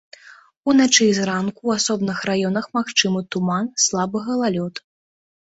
Уначы і зранку ў асобных раёнах магчымы туман, слабы галалёд.